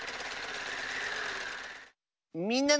「みんなの」。